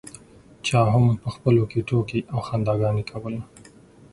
چا هم په خپلو کې ټوکې او خنداګانې کولې.